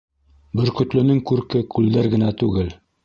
Бөркөтлөнөң күрке күлдәр генә түгел.